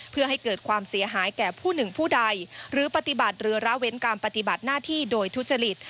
เพื่อให้เกิดความเสียหายแก่ผู้หนึ่งผู้ใดหรือปฏิบัติเรือระเว้นการปฏิบัติหน้าที่โดยทุจริต